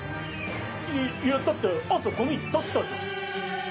いや、だって朝ゴミ出したじゃん。